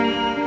tunggu ya pak